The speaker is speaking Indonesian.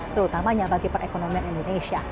terutamanya bagi perekonomian indonesia